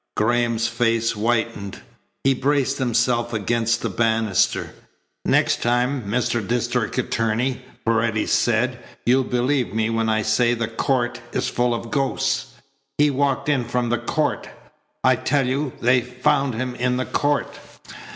Graham's face whitened. He braced himself against the banister. "Next time, Mr. District Attorney," Paredes said, "you'll believe me when I say the court is full of ghosts. He walked in from the court. I tell you they found him in the court."